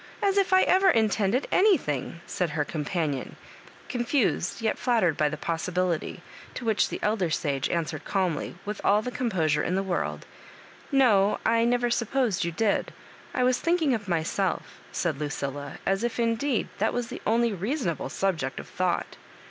as if I ever intended anything," said her companion, confused, yet flattered, by the possibilifjr ; to which the elder sage answered calmly, with all the composure in the world": " No, I never supposed you did ; I was thmk ing of myself," said Lucilla, as if, indeed, that was the only reasonable subject of thought.